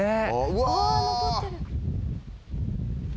「わあ残ってる」